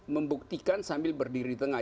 membuktikan sambil berdiri di tengah